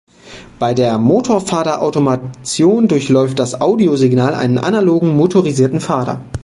Bei der Motorfader-Automation durchläuft das Audiosignal einen analogen motorisierten Fader.